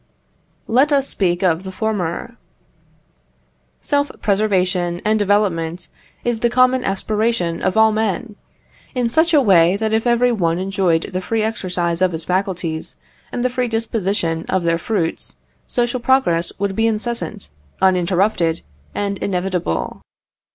Let us speak of the former. Self preservation and development is the common aspiration of all men, in such a way that if every one enjoyed the free exercise of his faculties and the free disposition of their fruits, social progress would be incessant, uninterrupted, inevitable.